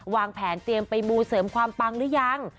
วางแผนเตรียมไปมูเสริมความปังหรือยัง